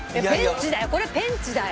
「ペンチだよ。